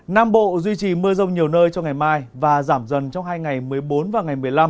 nam bộ duy trì mưa rông nhiều nơi cho ngày mai và giảm dần trong hai ngày một mươi bốn và ngày một mươi năm